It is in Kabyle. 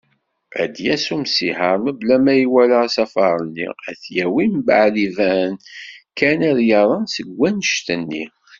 Ad d-yas umsiher mebla ma iwala asafar-nni, ad t-yawi, mbaɛd iban kan ad yaḍen seg wanect-nni.